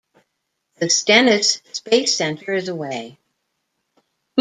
The Stennis Space Center is away.